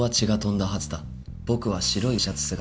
僕は白いシャツ姿。